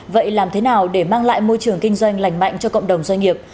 vậy làm thế nào để mang lại môi trường kinh doanh lành mạnh cho cộng đồng doanh nghiệp